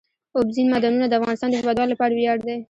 اوبزین معدنونه د افغانستان د هیوادوالو لپاره ویاړ دی.